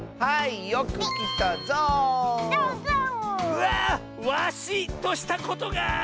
うわワシとしたことが。